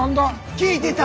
聞いてた！